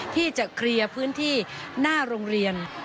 ที่จะเคลียร์พื้นที่หน้าโรงเรียน